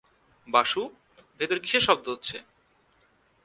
বাসু, ভেতরে কীসের শব্দ হচ্ছে?